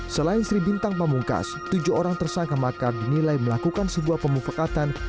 selain sri bintang pamungkas tujuh orang tersangka makar dinilai melakukan sebuah pemufakatan